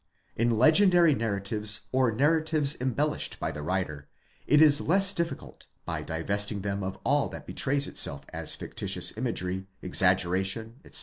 In legendary narratives, or narratives embellished by the writer, it is less difficult,—by divesting them of all that betrays itself as fictitious imagery, exaggeration, etc.